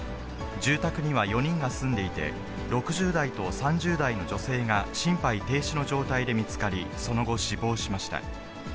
住宅には４人が住んでいて、６０代と３０代の女性が心肺停止の状態で見つかり、その後、死亡しました。